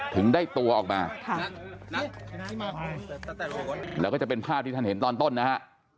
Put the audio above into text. ถึงได้ตัวออกมาแล้วก็จะเป็นภาพที่ท่านเห็นตอนต้นนะฮะ